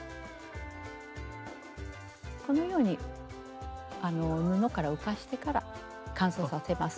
このように布から浮かしてから乾燥させます。